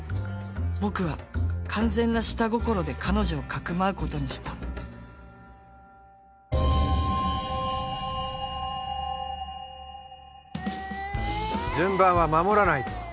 僕は完全な下心で彼女を匿うことにした順番は守らないと。